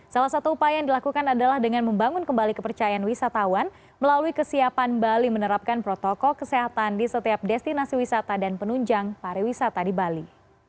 salah satu upaya yang dilakukan adalah dengan membangun kembali kepercayaan wisatawan melalui kesiapan bali menerapkan protokol kesehatan di setiap destinasi wisata dan penunjang pariwisata di bali